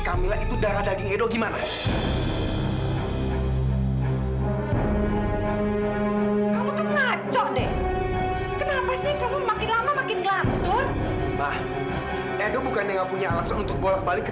sampai jumpa di video selanjutnya